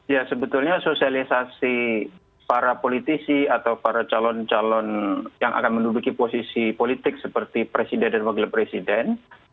ya sebetulnya sosialisasi para politisi atau para calon calon yang akan menduduki posisi politik seperti presiden dan wakil presiden